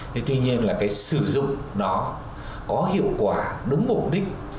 thế tuy nhiên là cái sử dụng đó có hiệu quả đúng mục đích